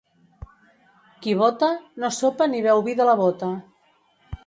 Qui bota, no sopa ni beu vi de la bota.